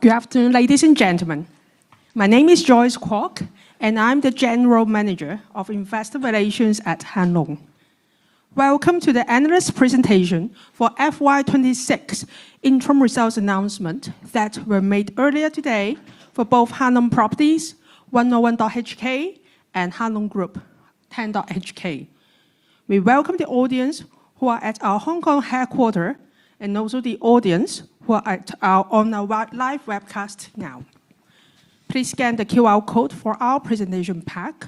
Good afternoon, ladies and gentlemen. My name is Joyce Kwock, and I'm the General Manager of Investor Relations at Hang Lung. Welcome to the analyst presentation for FY 2026 interim results announcement that were made earlier today for both Hang Lung Properties, 101.HK, and Hang Lung Group, 10.HK. We welcome the audience who are at our Hong Kong headquarter and also the audience who are on our live webcast now. Please scan the QR code for our presentation pack.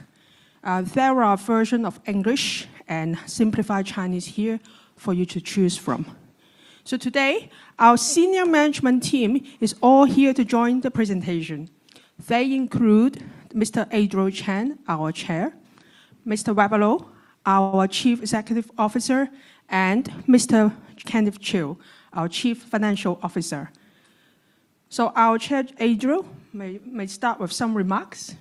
There are version of English and simplified Chinese here for you to choose from. Today, our senior management team is all here to join the presentation. They include Mr. Adriel Chan, our Chair, Mr. Weber Lo, our Chief Executive Officer, and Mr. Kenneth Chiu, our Chief Financial Officer. Our Chair, Adriel, may start with some remarks,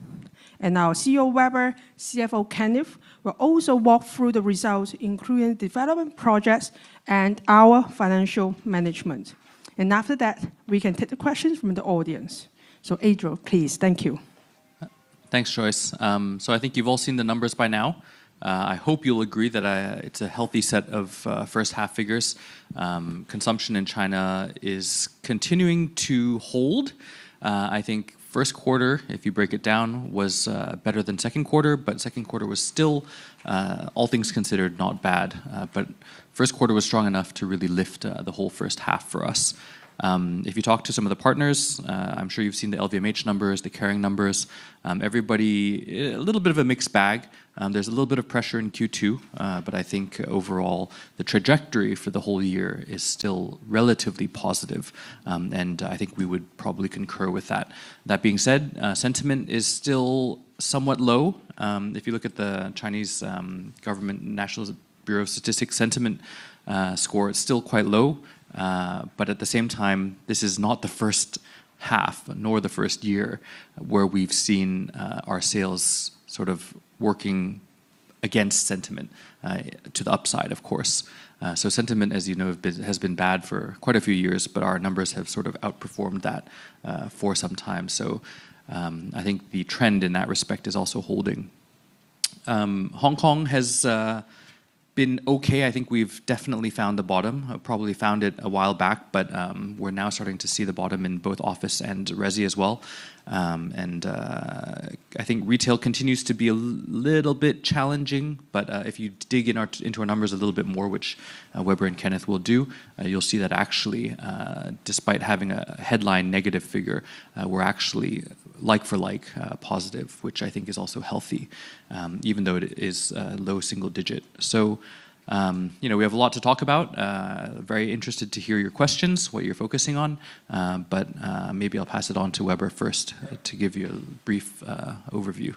our CEO, Weber, CFO, Kenneth, will also walk through the results, including development projects and our financial management. After that, we can take the questions from the audience. Adriel, please. Thank you. Thanks, Joyce. I think you've all seen the numbers by now. I hope you'll agree that it's a healthy set of first half figures. Consumption in China is continuing to hold. I think first quarter, if you break it down, was better than second quarter, second quarter was still, all things considered, not bad. First quarter was strong enough to really lift the whole first half for us. If you talk to some of the partners, I'm sure you've seen the LVMH numbers, the Kering numbers. Everybody, a little bit of a mixed bag. There's a little bit of pressure in Q2. I think overall, the trajectory for the whole year is still relatively positive, and I think we would probably concur with that. That being said, sentiment is still somewhat low. If you look at the Chinese Government National Bureau of Statistics sentiment score, it's still quite low. At the same time, this is not the first half, nor the first year, where we've seen our sales sort of working against sentiment, to the upside, of course. Sentiment, as you know, has been bad for quite a few years, our numbers have sort of outperformed that for some time. I think the trend in that respect is also holding. Hong Kong has been okay. I think we've definitely found the bottom, probably found it a while back, we're now starting to see the bottom in both office and resi as well. I think retail continues to be a little bit challenging. If you dig into our numbers a little bit more, which Weber and Kenneth will do, you will see that actually, despite having a headline negative figure, we are actually like for like, positive, which I think is also healthy, even though it is low single-digit. We have a lot to talk about. Very interested to hear your questions, what you are focusing on. Maybe I will pass it on to Weber first to give you a brief overview.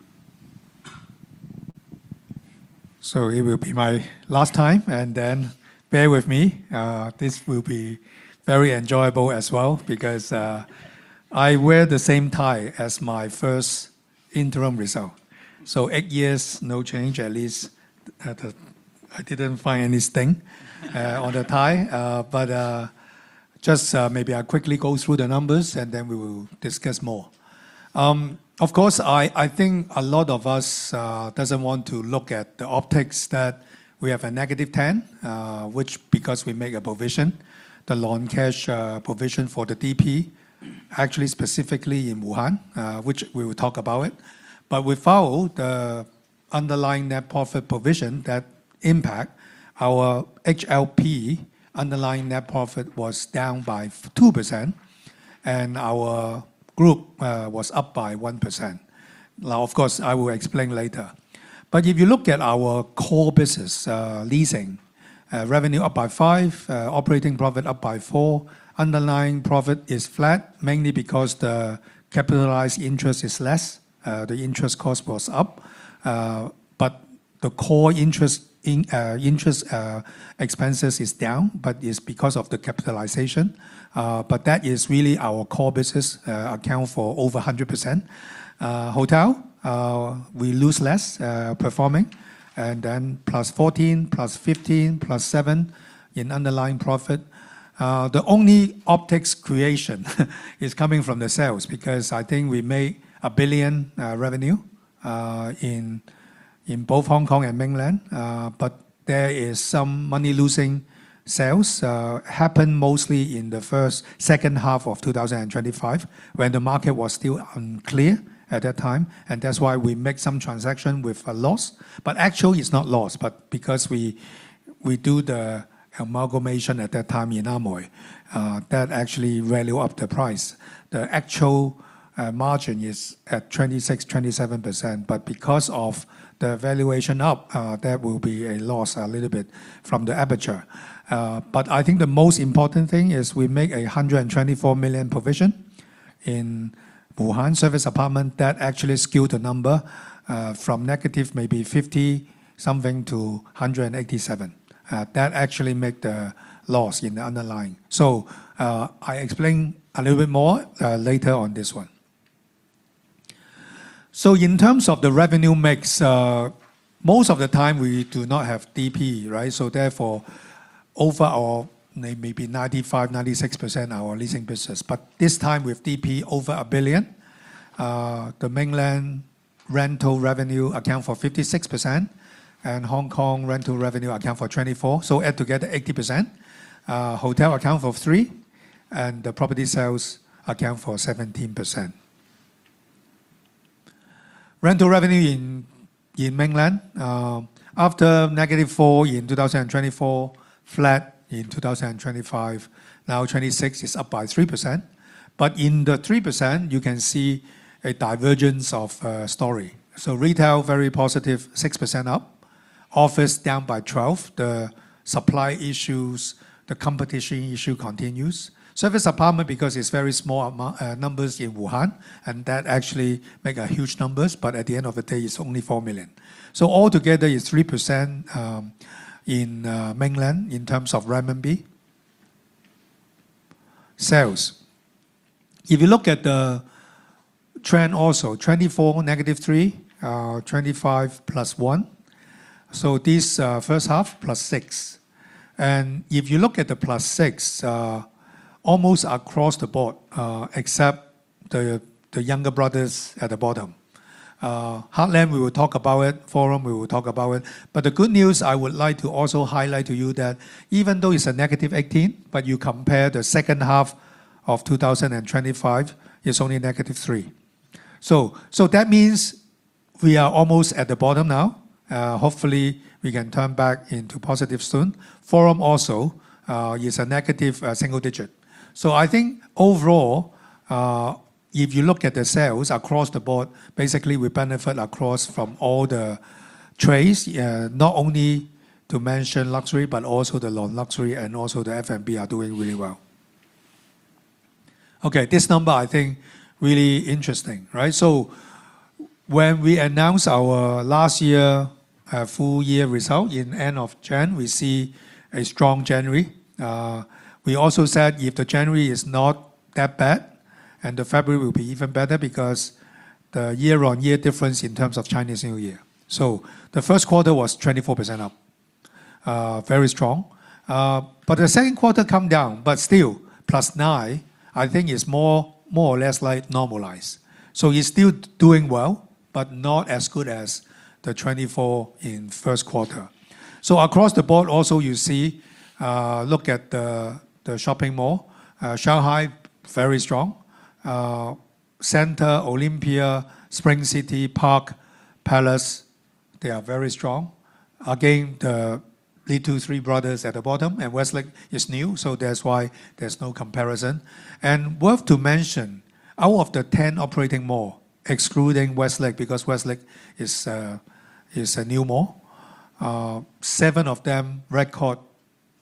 It will be my last time. Bear with me. This will be very enjoyable as well because I wear the same tie as my first interim result. Eight years, no change, at least. I did not find anything on the tie. Just maybe I quickly go through the numbers. We will discuss more. Of course, I think a lot of us does not want to look at the optics that we have a -10%, which because we make a non-cash provision for the DP, actually specifically in Wuhan, which we will talk about it. Without the underlying net profit provision, that impact our HLP underlying net profit was down by 2%, and our group was up by 1%. Of course, I will explain later. If you look at our core business, leasing. Revenue up by 5%, operating profit up by 4%. Underlying profit is flat, mainly because the capitalized interest is less. The interest cost was up. The core interest expenses is down, it is because of the capitalization. That is really our core business, account for over 100%. Hotel, we lose less, performing, +14%, +15%, +7% in underlying profit. The only optics creation is coming from the sales because I think we made 1 billion revenue in both Hong Kong and Mainland. There is some money-losing sales. Happened mostly in the second half of 2025 when the market was still unclear at that time, that is why we make some transaction with a loss. It is not loss. We do the amalgamation at that time in Amoy, that actually value up the price. The actual margin is at 26%-27%. Because of the valuation up, that will be a loss, a little bit, from The Aperture. I think the most important thing is we make 124 million provision in Wuhan service apartment. That actually skewed the number from negative maybe 50 something to 187 million. That actually makes the loss in the underlying. I explain a little bit more later on this one. In terms of the revenue mix, most of the time we do not have DP. Overall, maybe 95%-96% our leasing business. This time with DP over 1 billion, the Mainland rental revenue accounts for 56%, and Hong Kong rental revenue accounts for 24%. Add together, 80%. Hotel accounts for 3%, and the property sales accounts for 17%. Rental revenue in Mainland, after -4% in 2024, flat in 2025. 2026 is up by 3%. In the 3%, you can see a divergence of story. Retail, very +6% up. Office, down by 12%. The supply issues, the competition issue continues. Service apartment, because it is very small numbers in Wuhan, and that actually make huge numbers, but at the end of the day, it is only 4 million. Altogether it is 3% in Mainland, in terms of renminbi. Sales. If you look at the trend also, 2024, -3%; 2025+ 1%. This first half, +6%. If you look at the +6%, almost across the board, except the younger brothers at the bottom. Heartland, we will talk about it. Forum, we will talk about it. The good news I would like to also highlight to you, that even though it is a -18%, you compare the second half of 2025, it is only -3%. That means we are almost at the bottom now. Hopefully, we can turn back into positive soon. Forum also is a negative single digit. I think overall, if you look at the sales across the board, basically we benefit across from all the trades. Not only to mention luxury, but also the non-luxury and also the F&B are doing really well. This number I think really interesting. When we announced our last year full-year result in end of January, we see a strong January. We also said if the January is not that bad, the February will be even better because the year-on-year difference in terms of Chinese New Year. The first quarter was 24% up. Very strong. The second quarter come down, but still, +9% I think is more or less normalized. It is still doing well, but not as good as the 24% in first quarter. Across the board also you see, look at the shopping mall. Shanghai, very strong. Center, Olympia, Spring City, Parc, Palace, they are very strong. Again, the two, three brothers at the bottom. Westlake is new, that is why there is no comparison. Worth to mention, out of the 10 operating malls, excluding Westlake because Westlake is a new mall, seven of them record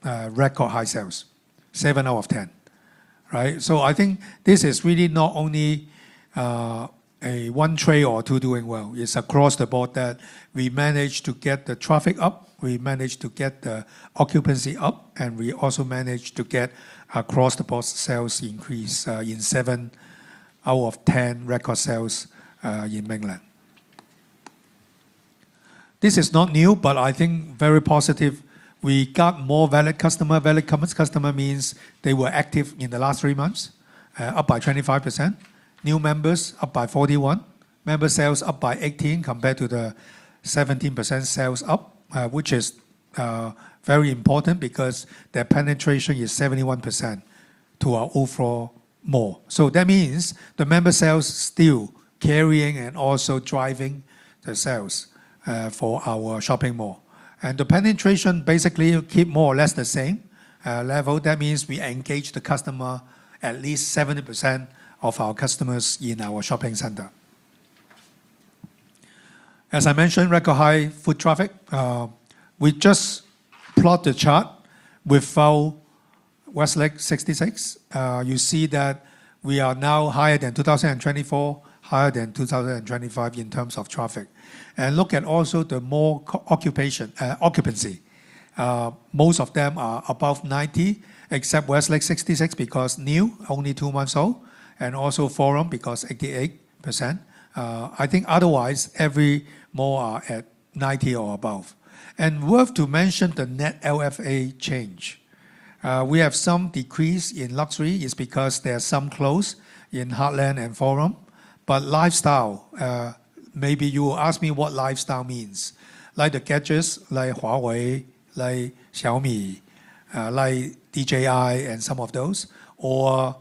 high sales. seven out of 10. I think this is really not only one trade or two doing well. It is across the board that we managed to get the traffic up, we managed to get the occupancy up, we also managed to get across the board sales increase in seven out of 10 record sales in Mainland. This is not new, I think very positive. We got more valid customer. Valid commerce customer means they were active in the last three months. Up by 25%. New members up by 41%. Member sales up by 18% compared to the 17% sales up, which is very important because their penetration is 71% to our overall mall. That means the member sales still carrying and also driving the sales for our shopping mall. The penetration basically keep more or less the same level. That means we engage the customer, at least 70% of our customers in our shopping center. As I mentioned, record high foot traffic. We just plot the chart without West Lake 66. You see that we are now higher than 2024, higher than 2025 in terms of traffic. Look at also the mall occupancy. Most of them are above 90%, except West Lake 66 because new, only two months old, and also Forum because 88%. I think otherwise, every mall are at 90% or above. Worth to mention the net LFA change. We have some decrease in luxury. It is because there are some close in Heartland and Forum. Lifestyle, maybe you will ask me what lifestyle means. Like the gadgets, like Huawei, like Xiaomi, like DJI, and some of those. Or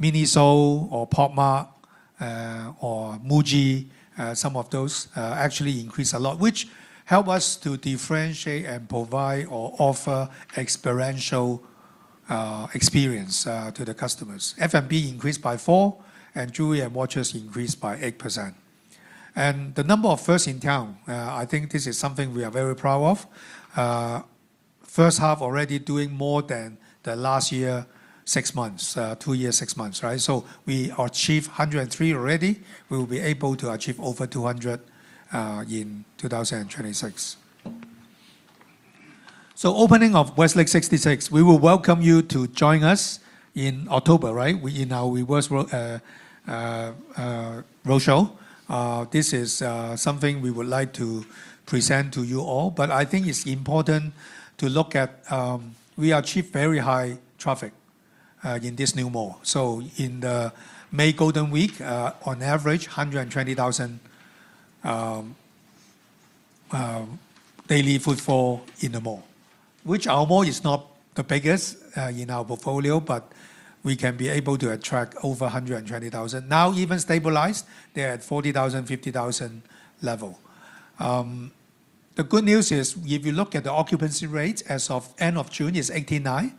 Miniso or Pop Mart, or MUJI, some of those actually increase a lot, which help us to differentiate and provide or offer experiential experience to the customers. F&B increased by 4%, and jewelry and watches increased by 8%. The number of first in town, I think this is something we are very proud of. First half already doing more than the last year, six months. Two year, six months. We achieve 103 already. We will be able to achieve over 200 in 2026. Opening of West Lake 66, we will welcome you to join us in October, right? In our roadshow. This is something we would like to present to you all. I think it is important to look at, we achieved very high traffic in this new mall. In the May Golden Week, on average, 120,000 daily footfall in the mall. Which our mall is not the biggest in our portfolio, but we can be able to attract over 120,000. Now even stabilized, they are at 40,000, 50,000 level. The good news is, if you look at the occupancy rate as of end of June is 89%,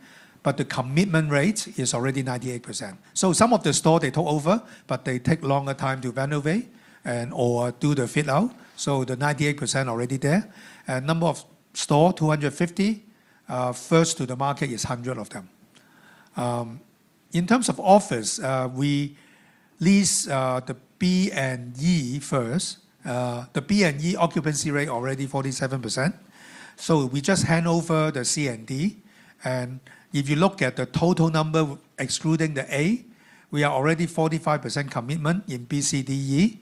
the commitment rate is already 98%. Some of the stores they took over, they take longer time to renovate and/or do the fit-out. The 98% already there. Number of stores, 250. First to the market is 100 of them. In terms of office, we lease the B and E first. The B and E occupancy rate already 47%. We just hand over the C and D. If you look at the total number excluding the A, we are already 45% commitment in B, C, D, E.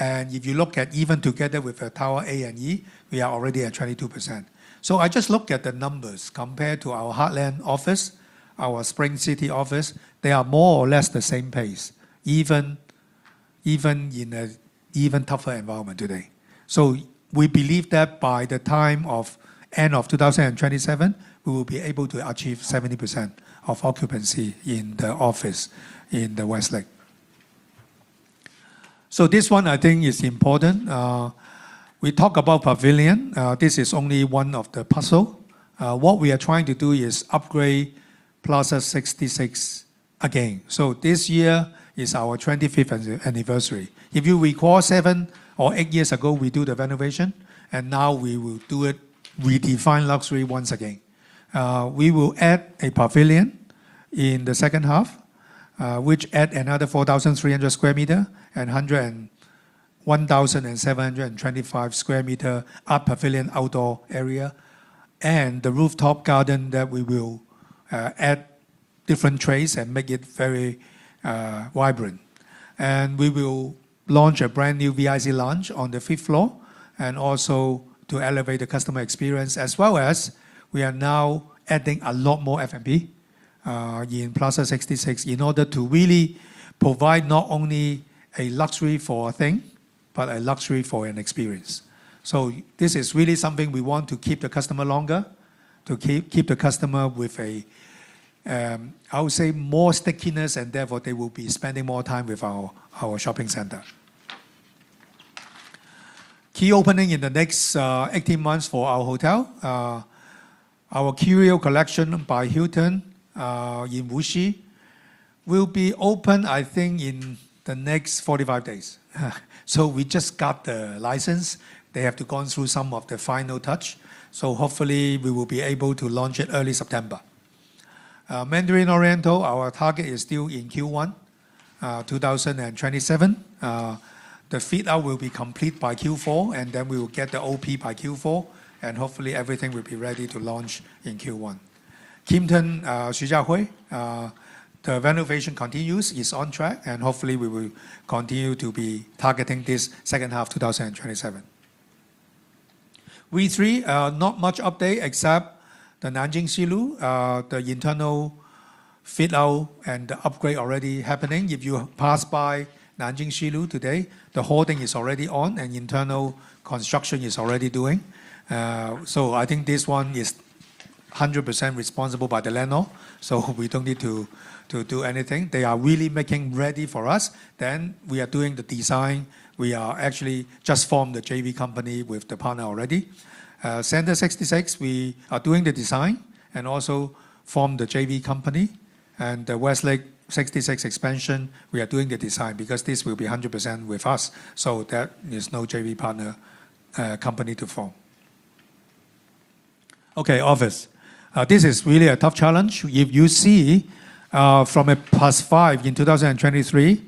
If you look at even together with the tower A and E, we are already at 22%. I just look at the numbers compared to our Heartland office, our Spring City office, they are more or less the same pace, even in an even tougher environment today. We believe that by the time of end of 2027, we will be able to achieve 70% of occupancy in the office in the West Lake. This one I think is important. We talk about pavilion. This is only one of the puzzle. What we are trying to do is upgrade Plaza 66 again. This year is our 25th anniversary. If you recall, seven or eight years ago, we do the renovation. Now we will do it, redefine luxury once again. We will add a pavilion in the second half, which add another 4,300 sq m and 1,725 sq m are pavilion outdoor area. The rooftop garden that we will add different trees and make it very vibrant. We will launch a brand new VIC Lounge on the fifth floor, and also to elevate the customer experience. As well as we are now adding a lot more F&B in Plaza 66 in order to really provide not only a luxury for a thing, but a luxury for an experience. This is really something we want to keep the customer longer, to keep the customer with a, I would say more stickiness, and therefore they will be spending more time with our shopping center. Key opening in the next 18 months for our hotel. Our Curio Collection by Hilton, in Wuxi, will be open, I think, in the next 45 days. We just got the license. They have to gone through some of the final touch, hopefully we will be able to launch in early September. Mandarin Oriental, our target is still in Q1 2027. The fit-out will be complete by Q4, and then we will get the OP by Q4, and hopefully everything will be ready to launch in Q1. Kimpton Xujiahui, the renovation continues. It is on track, and hopefully we will continue to be targeting this second half of 2027. We Three, not much update except the Nanjing Xilu, the internal fit-out and the upgrade already happening. If you pass by Nanjing Xilu today, the whole thing is already on and internal construction is already doing. I think this one is 100% responsible by the landlord, we don't need to do anything. They are really making ready for us. We are doing the design. We are actually just formed the JV company with the partner already. Center 66, we are doing the design, and also formed the JV company. The Westlake 66 expansion, we are doing the design because this will be 100% with us, there is no JV partner company to form. Okay. Office. This is really a tough challenge. If you see, from a +5 in 2023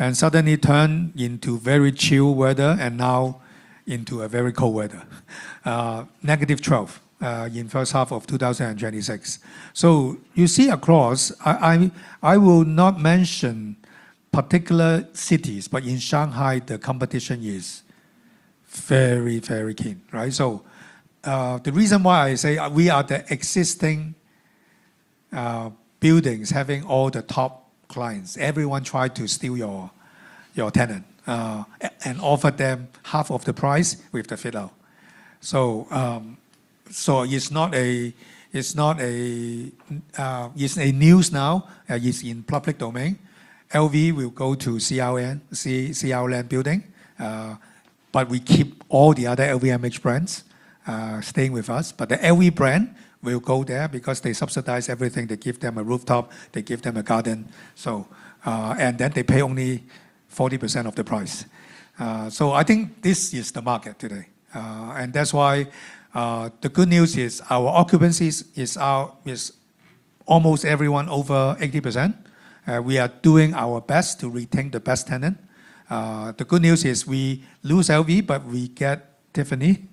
and suddenly turn into very chill weather and now into a very cold weather, -12 in first half of 2026. You see across-- I will not mention particular cities, but in Shanghai the competition is very, very keen, right? The reason why I say we are the existing buildings having all the top clients, everyone tried to steal your tenant, and offer them half of the price with the fit-out. It's a news now, is in public domain. LV will go to CR Land building, we keep all the other LVMH brands staying with us. The LV brand will go there because they subsidize everything. They give them a rooftop, they give them a garden, they pay only 40% of the price. I think this is the market today. That's why the good news is our occupancies is Almost everyone over 80%. We are doing our best to retain the best tenant. The good news is we lose LV, we get Tiffany.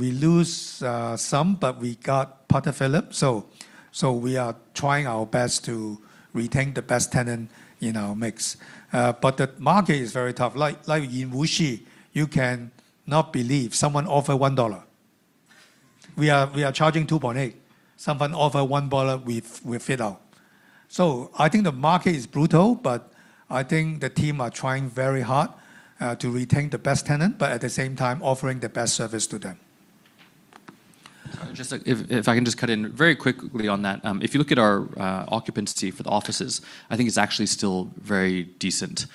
We lose some, we got Patek Philippe. We are trying our best to retain the best tenant in our mix. The market is very tough. Like in Wuxi, you cannot believe someone offer 1 dollar. We are charging 2.8. Someone offer 1 dollar, we fit out. I think the market is brutal, but I think the team are trying very hard to retain the best tenant, but at the same time offering the best service to them. If I can just cut in very quickly on that. If you look at our occupancy for the offices, I think it's actually still very decent.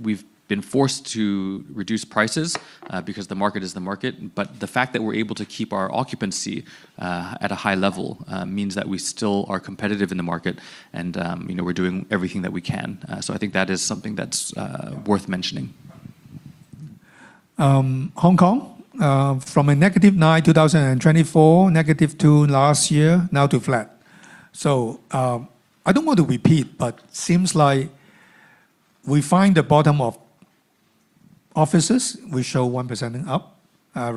We've been forced to reduce prices because the market is the market. The fact that we're able to keep our occupancy at a high level means that we still are competitive in the market and we're doing everything that we can. I think that is something that's worth mentioning. Hong Kong, from a -9% 2024, -2% last year, now to flat. I don't want to repeat, but seems like we find the bottom of offices. We show 1% up.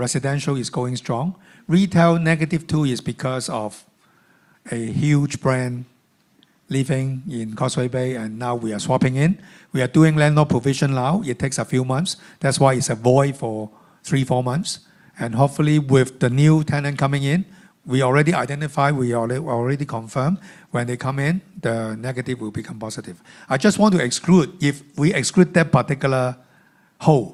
Residential is going strong. Retail -2% is because of a huge brand leaving in Causeway Bay and now we are swapping in. We are doing landlord provision now. It takes a few months. That's why it's a void for three, four months. Hopefully with the new tenant coming in, we already identify, we already confirmed when they come in, the negative will become positive. I just want to exclude, if we exclude that particular hole,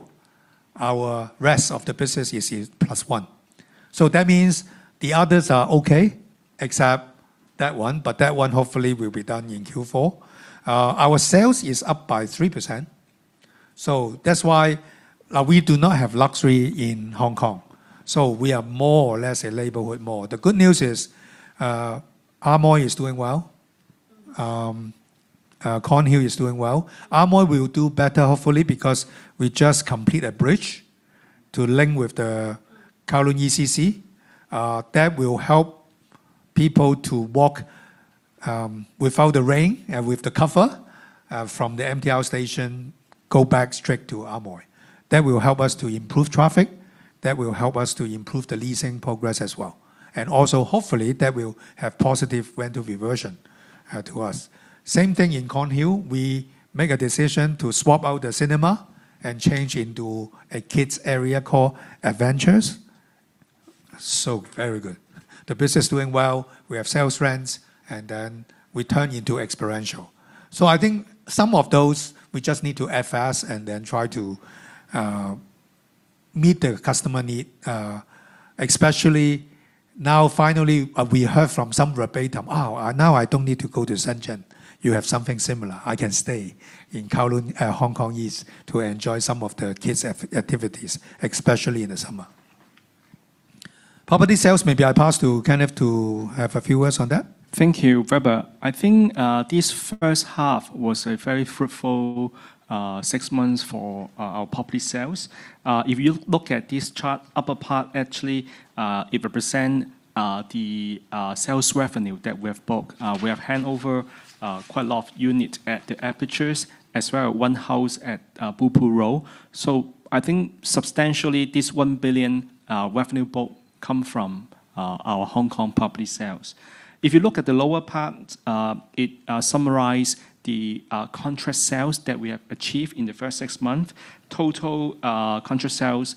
our rest of the business is +1%. That means the others are okay except that one, but that one hopefully will be done in Q4. Our sales is up by 3%. That's why we do not have luxury in Hong Kong. We are more or less a label with more. The good news is, Amoy is doing well. Kornhill is doing well. Amoy will do better hopefully because we just complete a bridge to link with the Kowloon ICC. That will help people to walk, without the rain and with the cover, from the MTR station, go back straight to Amoy. That will help us to improve traffic. That will help us to improve the leasing progress as well. Hopefully that will have positive rent reversion to us. Same thing in Kornhill. We make a decision to swap out the cinema and change into a kids area called Adventures. Very good. The business doing well. We have sales rents and then we turn into experiential. I think some of those we just need to FS and then try to meet the customer need especially now finally we heard from some verbatim, Oh, now I don't need to go to Shenzhen. You have something similar. I can stay in Kowloon, Hong Kong East to enjoy some of the kids' activities, especially in the summer. Property sales, maybe I pass to Kenneth to have a few words on that. Thank you, Weber. I think this first half was a very fruitful six months for our property sales. If you look at this chart upper part actually, it represent the sales revenue that we have booked. We have handover quite a lot of unit at The Aperture as well as one house at Blue Pool Road. I think substantially this 1 billion revenue book come from our Hong Kong property sales. If you look at the lower part, it summarize the contract sales that we have achieved in the first six month. Total contract sales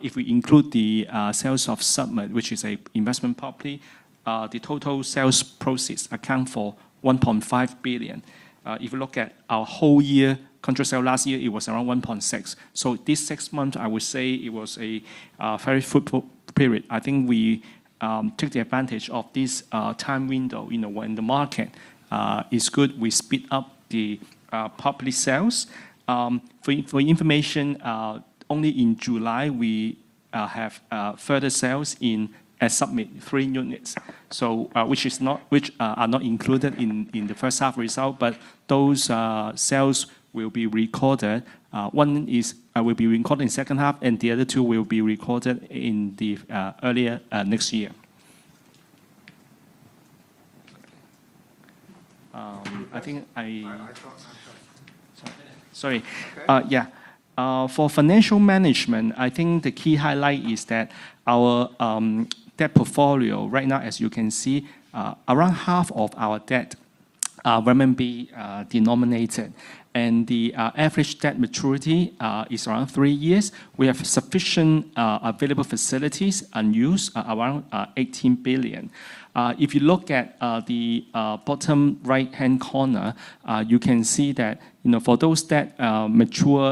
if we include the sales of The Summit, which is a investment property, the total sales proceeds account for 1.5 billion. If you look at our whole year contract sale last year, it was around 1.6 billion. This six month I would say it was a very fruitful period. I think we took the advantage of this time window when the market is good. We speed up the property sales. For information, only in July we have further sales in The Summit, three units, which are not included in the first half result. Those sales will be recorded. One will be recorded in second half and the other two will be recorded earlier next year. I think. I thought I'm sorry. Sorry. Go ahead. For financial management, I think the key highlight is that our debt portfolio right now as you can see, around half of our debt are RMB denominated and the average debt maturity is around three years. We have sufficient available facilities unused around 18 billion. If you look at the bottom right-hand corner, you can see that for those debt mature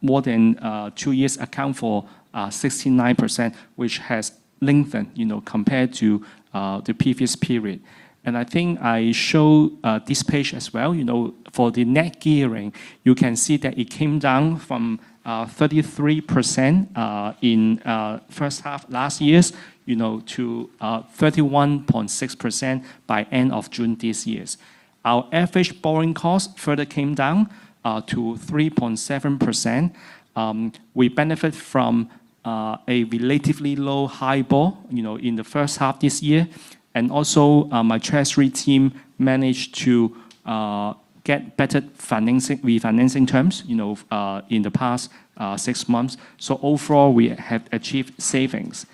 more than two years account for 69%, which has lengthened compared to the previous period. I think I show this page as well. For the net gearing You can see that it came down from 33% in first half last year, to 31.6% by end of June this year. Our average borrowing cost further came down to 3.7%. We benefit from a relatively low HIBOR in the first half this year. Also, my treasury team managed to get better refinancing terms in the past six months. Overall, we have achieved savings.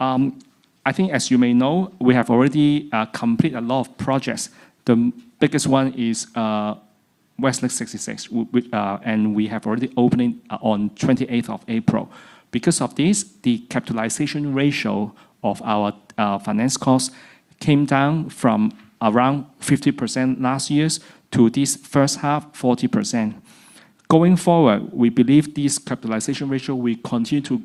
I think as you may know, we have already completed a lot of projects. The biggest one is Westlake 66, and we have already opened it on 28th of April. Because of this, the capitalization ratio of our finance costs came down from around 50% last year to this first half, 40%. Going forward, we believe this capitalization ratio will continue to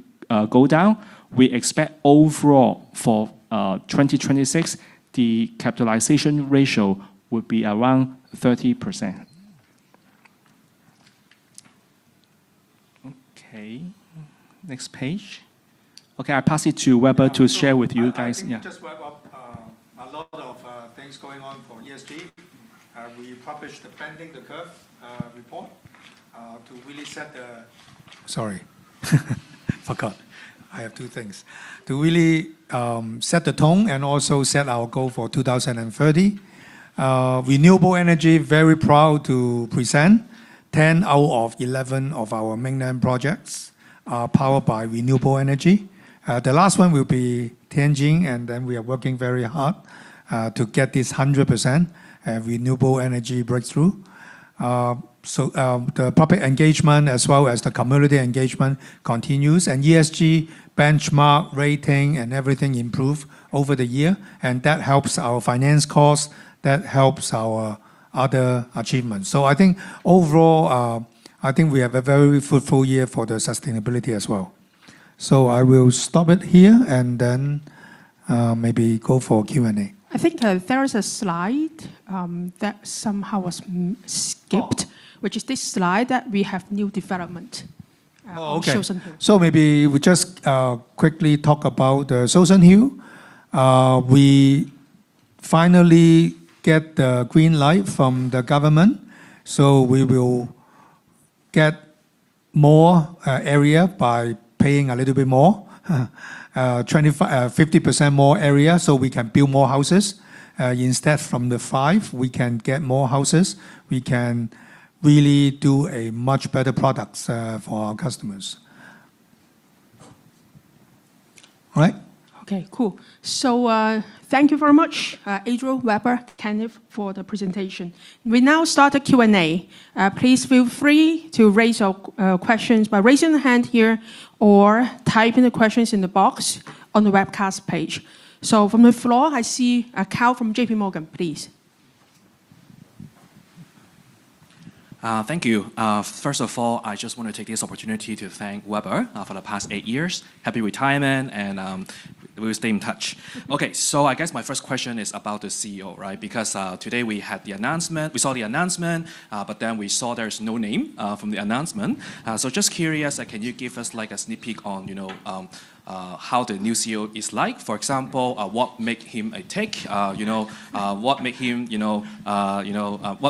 go down. We expect overall for 2026, the capitalization ratio will be around 30%. Okay, next page. Okay, I pass it to Weber to share with you guys. Yeah. I think just wrap up a lot of things going on for ESG. We published the Bending the Curve report to the Sorry. Forgot. I have two things. To really set the tone and also set our goal for 2030. Renewable energy, very proud to present 10 out of 11 of our mainland projects are powered by renewable energy. The last one will be Tianjin, and then we are working very hard to get this 100% renewable energy breakthrough. The public engagement as well as the community engagement continues, and ESG benchmark rating and everything improve over the year, and that helps our finance cost, that helps our other achievements. I think overall, I think we have a very fruitful year for the sustainability as well. I will stop it here and then maybe go for Q&A. I think there is a slide that somehow was skipped, which is this slide that we have new development. Oh, okay. Shouson Hill. Maybe we just quickly talk about Shouson Hill. We finally get the green light from the government, we will get more area by paying a little bit more, 50% more area, we can build more houses. Instead from the five, we can get more houses. We can really do a much better product for our customers. All right. Okay, cool. Thank you very much, Adriel, Weber, Kenneth, for the presentation. We now start the Q&A. Please feel free to raise your questions by raising your hand here or typing the questions in the box on the webcast page. From the floor, I see Karl from JPMorgan. Please. Thank you. First of all, I just want to take this opportunity to thank Weber for the past eight years. Happy retirement, we will stay in touch. I guess my first question is about the CEO, right? Today we saw the announcement, we saw there's no name from the announcement. Just curious, can you give us a sneak peek on how the new CEO is like? For example, what make him a tick? What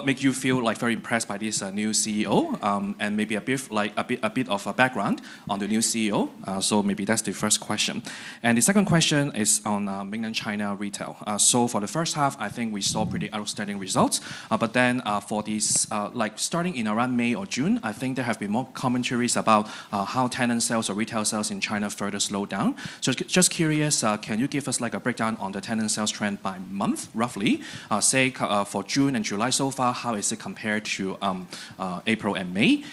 make you feel very impressed by this new CEO? Maybe a bit of a background on the new CEO. Maybe that's the first question. The second question is on Mainland China retail. For the first half, I think we saw pretty outstanding results. Starting in around May or June, I think there have been more commentaries about how tenant sales or retail sales in China further slow down. Just curious, can you give us a breakdown on the tenant sales trend by month, roughly? Say, for June and July so far, how is it compared to April and May?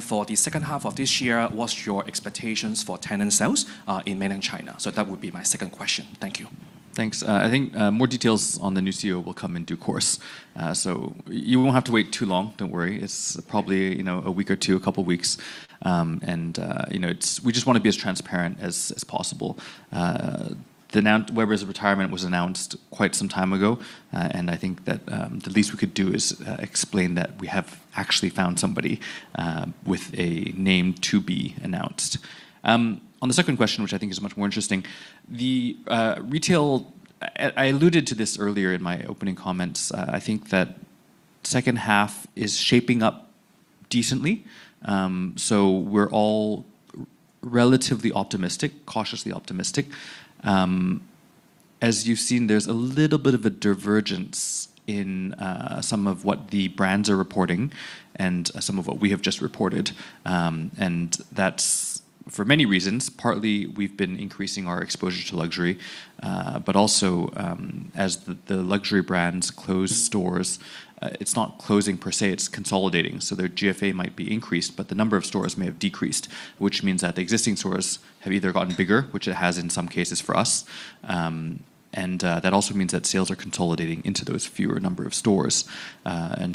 For the second half of this year, what's your expectations for tenant sales in Mainland China? That would be my second question. Thank you. Thanks. I think more details on the new CEO will come in due course. You won't have to wait too long, don't worry. It's probably a week or two, a couple of weeks. We just want to be as transparent as possible. Weber's retirement was announced quite some time ago, and I think that the least we could do is explain that we have actually found somebody with a name to be announced. On the second question, which I think is much more interesting. The retail, I alluded to this earlier in my opening comments. I think that second half is shaping up decently. We're all relatively optimistic, cautiously optimistic. As you've seen, there's a little bit of a divergence in some of what the brands are reporting and some of what we have just reported. That's for many reasons. Partly, we've been increasing our exposure to luxury. Also, as the luxury brands close stores, it's not closing per se, it's consolidating. Their GFA might be increased, but the number of stores may have decreased, which means that the existing stores have either gotten bigger, which it has in some cases for us. That also means that sales are consolidating into those fewer number of stores. We've been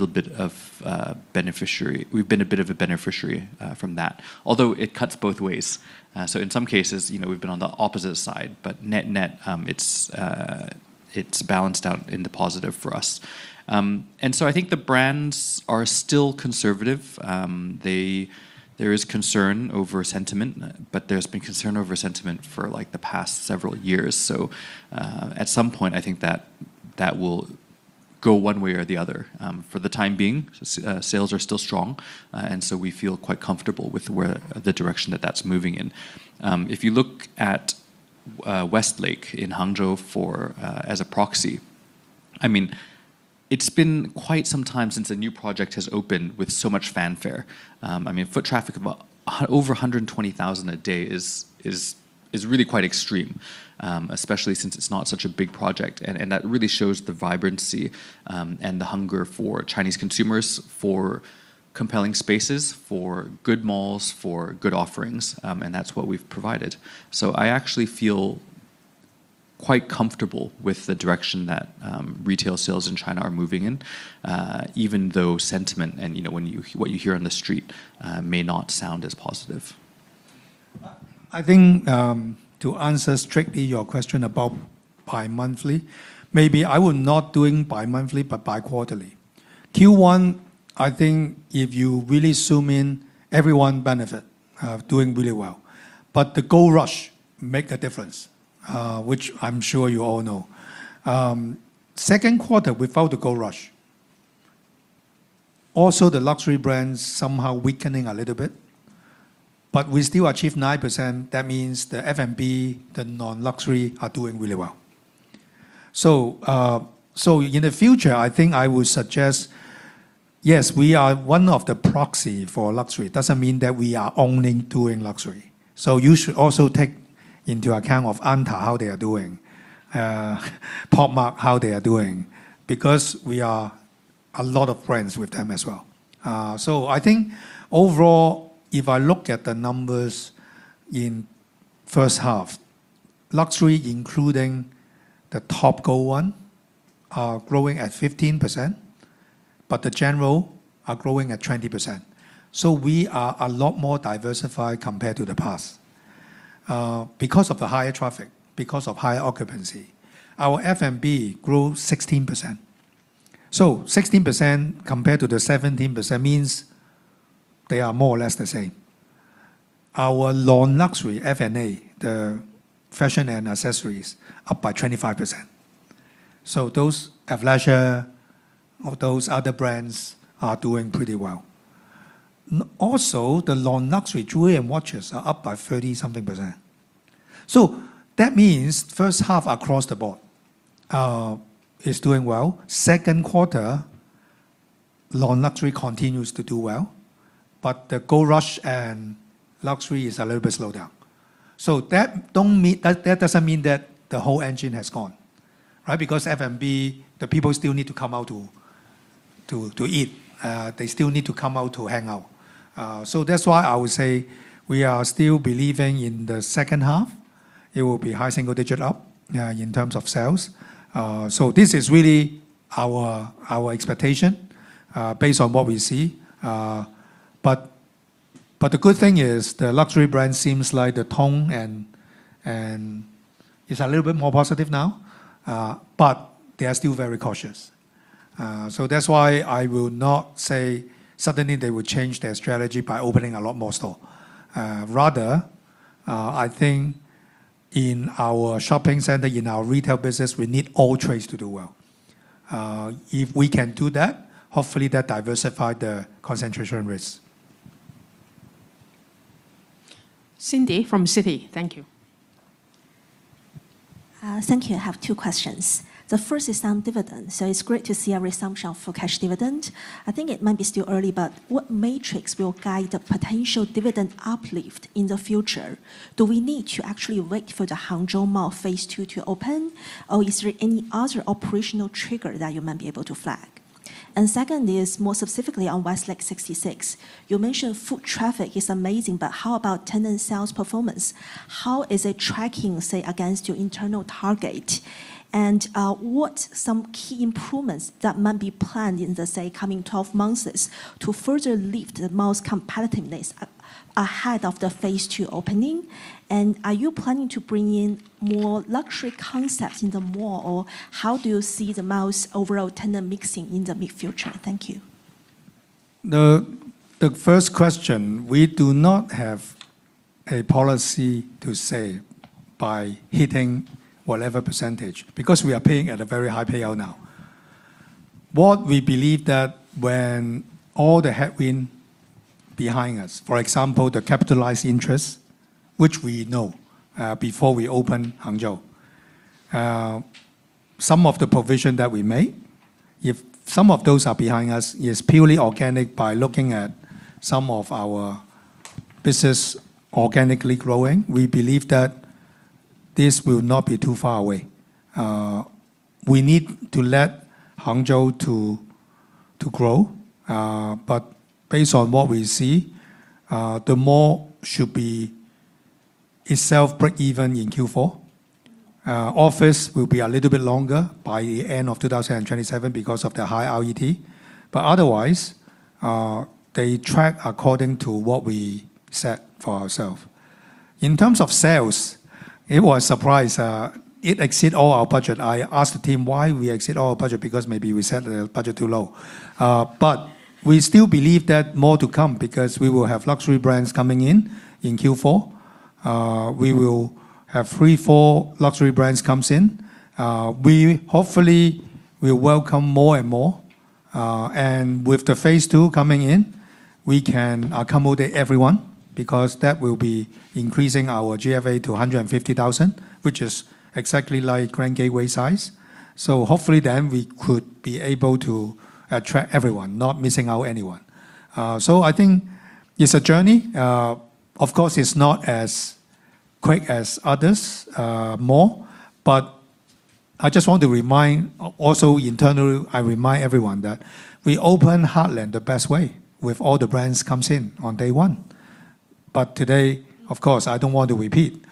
a bit of a beneficiary from that. Although it cuts both ways. In some cases we've been on the opposite side, but net-net, it's balanced out in the positive for us. I think the brands are still conservative. There is concern over sentiment, but there's been concern over sentiment for the past several years. At some point, I think that will go one way or the other. For the time being, sales are still strong, we feel quite comfortable with the direction that that's moving in. If you look at Westlake 66 in Hangzhou as a proxy, it's been quite some time since a new project has opened with so much fanfare. Foot traffic over 120,000 a day is really quite extreme, especially since it's not such a big project. That really shows the vibrancy and the hunger for Chinese consumers, for compelling spaces, for good malls, for good offerings, and that's what we've provided. I actually feel quite comfortable with the direction that retail sales in China are moving in, even though sentiment and what you hear on the street may not sound as positive. I think, to answer strictly your question about bimonthly, maybe I would not do it bi-monthly, but bi-quarterly. Q1, I think if you really zoom in, everyone benefit, doing really well. The gold rush make a difference, which I'm sure you all know. Second quarter, without the gold rush. Also, the luxury brands somehow weakening a little bit, but we still achieve 9%. That means the F&B, the non-luxury are doing really well. In the future, I think I would suggest, yes, we are one of the proxy for luxury. Doesn't mean that we are only doing luxury. You should also take into account of Anta, how they are doing, Pop Mart how they are doing. Because we are a lot of friends with them as well. I think overall, if I look at the numbers in first half, luxury including the top gold one are growing at 15%, but the general are growing at 20%. We are a lot more diversified compared to the past. Because of the higher traffic, because of higher occupancy, our F&B grew 16%. 16% compared to the 17% means they are more or less the same. Our non-luxury F&A, the fashion and accessories, are up by 25%. Those have leisure, or those other brands are doing pretty well. Also, the non-luxury jewelry and watches are up by 30-something percent. That means first half across the board is doing well. Second quarter, non-luxury continues to do well, but the gold rush and luxury is a little bit slowed down. That doesn't mean that the whole engine has gone, right? F&B, the people still need to come out to eat. They still need to come out to hang out. That's why I would say we are still believing in the second half. It will be high single-digit up in terms of sales. This is really our expectation based on what we see. The good thing is the luxury brand seems like the tone, and it's a little bit more positive now. They are still very cautious. That's why I will not say suddenly they will change their strategy by opening a lot more store. Rather, I think in our shopping center, in our retail business, we need all trades to do well. If we can do that, hopefully that diversify the concentration risk. Cindy from Citi. Thank you. Thank you. I have two questions. The first is on dividends. It's great to see a resumption for cash dividend. I think it might be still early, but what metrics will guide the potential dividend uplift in the future? Do we need to actually wait for the Hangzhou mall Phase 2 to open, or is there any other operational trigger that you might be able to flag? Second is more specifically on Westlake 66. You mentioned foot traffic is amazing, but how about tenant sales performance? How is it tracking, say, against your internal target? What some key improvements that might be planned in the, say, coming 12 months to further lift the mall's competitiveness ahead of the Phase 2 opening? Are you planning to bring in more luxury concepts in the mall, or how do you see the mall's overall tenant mixing in the near future? Thank you. The first question, we do not have a policy to say by hitting whatever percentage, because we are paying at a very high payout now. What we believe that when all the headwind behind us, for example, the capitalized interest, which we know before we open Hangzhou. Some of the provision that we made, some of those are behind us is purely organic by looking at some of our business organically growing. We believe that this will not be too far away. We need to let Hangzhou to grow. Based on what we see, the mall should be itself breakeven in Q4. Office will be a little bit longer, by the end of 2027 because of the high RET. Otherwise, they track according to what we set for ourself. In terms of sales, it was a surprise. It exceeded all our budget. I asked the team why we exceeded all our budget, because maybe we set the budget too low. We still believe that more to come because we will have luxury brands coming in in Q4. We will have three, four luxury brands come in. Hopefully, we'll welcome more and more. With phase two coming in, we can accommodate everyone because that will be increasing our GFA to 150,000, which is exactly like Grand Gateway size. Hopefully then we could be able to attract everyone, not missing out anyone. I think it's a journey. Of course, it's not as quick as other malls, but I just want to remind also internally, I remind everyone that we open Heartland the best way with all the brands coming in on day one. Today, of course, I don't want to repeat.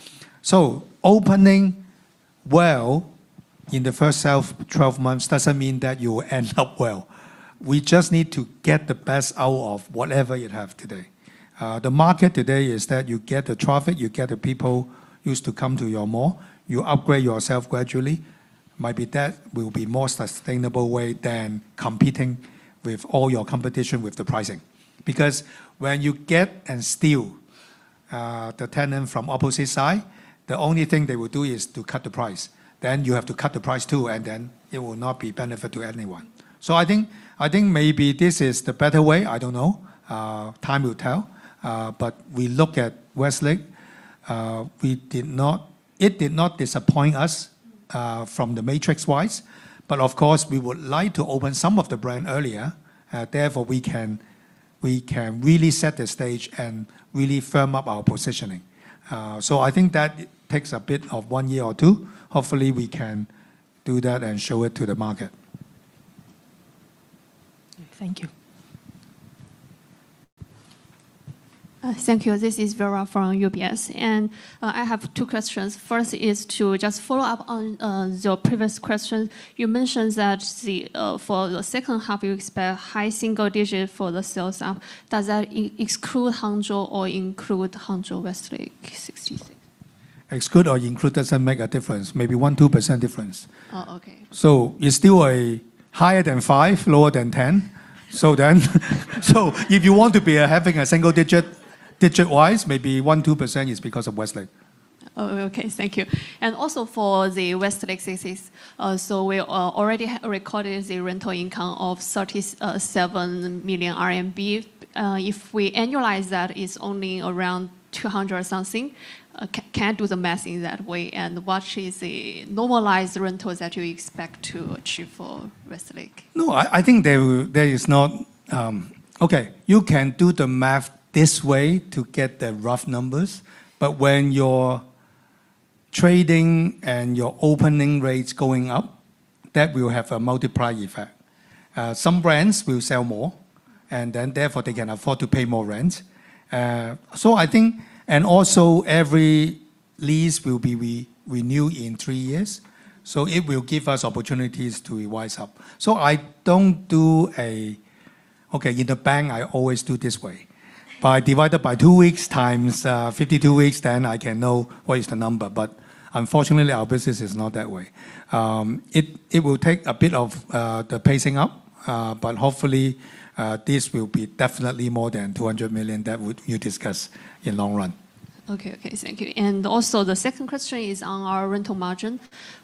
Opening well in the first 12 months doesn't mean that you will end up well. We just need to get the best out of whatever you have today. The market today is that you get the traffic, you get the people used to coming to your mall, you upgrade yourself gradually. Maybe that will be a more sustainable way than competing with all your competition with the pricing. Because when you get and steal the tenant from opposite side, the only thing they will do is to cut the price. You have to cut the price too, and then it will not be a benefit to anyone. I think maybe this is the better way. I don't know. Time will tell. We look at West Lake. It did not disappoint us from the matrix-wise. Of course, we would like to open some of the brands earlier. Therefore, we can really set the stage and really firm up our positioning. I think that takes a bit of one year or two. Hopefully, we can do that and show it to the market. Thank you. Thank you. This is Vera from UBS. I have two questions. First is to just follow up on your previous question. You mentioned that for the second half, you expect high single digits for the sales up. Does that exclude Hangzhou or include Hangzhou Westlake 66? Exclude or include doesn't make a difference. Maybe 1%, 2% difference. Oh, okay. It's still higher than 5%, lower than 10%. If you want to be having a single digit-wise, maybe 1%, 2% is because of Westlake 66. Okay. Thank you. For the Westlake 66. We already recorded the rental income of 37 million RMB. If we annualize that, it's only around 200 something. Can't do the math in that way. What is the normalized rentals that you expect to achieve for Westlake 66? Okay. You can do the math this way to get the rough numbers, but when your trading and your opening rates going up, that will have a multiplier effect. Some brands will sell more, and then therefore, they can afford to pay more rent. Every lease will be renewed in three years, so it will give us opportunities to wise up. Okay, in the bank, I always do it this way. If I divide it by two weeks times 52 weeks, then I can know what is the number. Unfortunately, our business is not that way. It will take a bit of the pacing up, but hopefully, this will be definitely more than 200 million that you discussed in the long run. Okay. Thank you. The second question is on our rental margin.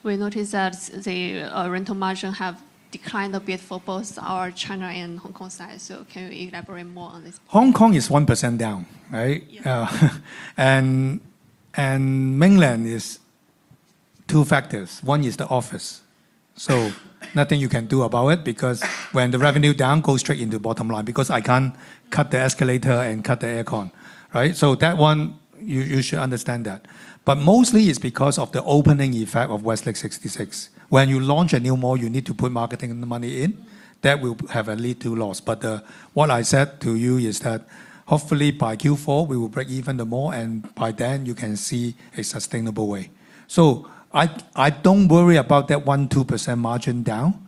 We noticed that the rental margin has declined a bit for both our China and Hong Kong side. Can you elaborate more on this? Hong Kong is 1% down, right? Yeah. Mainland is two factors. One is the office. Nothing you can do about it because when the revenue down, it goes straight into the bottom line because I can't cut the escalator and cut the air con. That one, you should understand that. Mostly, it's because of the opening effect of Westlake 66. When you launch a new mall, you need to put marketing money in. That will have a lead to loss. What I said to you is that hopefully by Q4, we will break even the mall, and by then you can see a sustainable way. I don't worry about that 1%-2% margin down